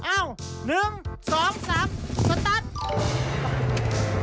อ้าวหนึ่งสองสามสต๊าต